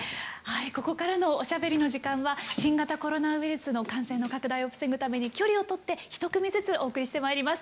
ここからのおしゃべりの時間は新型コロナウイルスの感染の拡大を防ぐために距離を取って１組ずつお送りしてまいります。